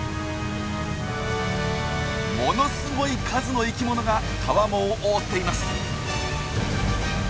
ものすごい数の生きものが川面を覆っています！